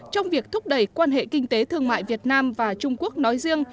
trong việc thúc đẩy quan hệ kinh tế thương mại việt nam và trung quốc nói riêng